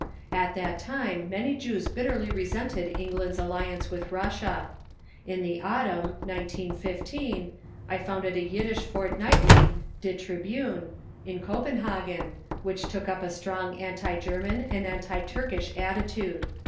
At that time many Jews bitterly resented England's alliance with Russia. In the autumn, 1915, I founded a Yiddish fortnightly (Di Tribune) in Copenhagen, which took up a strong anti German and anti Turkish attitude.